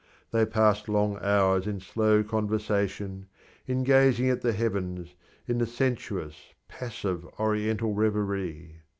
They pass long hours in slow conversation, in gazing at the heavens, in the sensuous, passive oriental reverie.